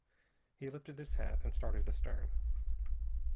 He lifted his hat and started astern.